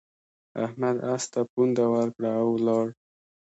احمد اس ته پونده ورکړه او ولاړ.